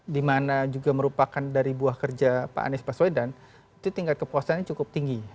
dimana juga merupakan dari buah kerja pak anies baswedan itu tingkat kepuasannya cukup tinggi